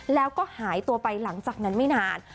แล้วก็หายตัวไปหลังจากนั้นไม่นาน